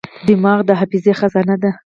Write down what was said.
دماغ د حافظې خزانه ده.